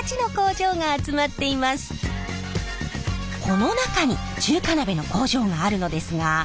この中に中華鍋の工場があるのですがそこはなんと！